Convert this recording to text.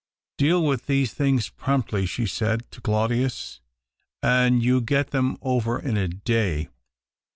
" Deal with these things promptly," she said to Claudius, " and you get them over in a day.